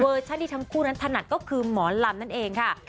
เวอร์ชันที่ทั้งคู่นั้นถนัดก็คือหมอนลำนั่นเองค่ะค่ะ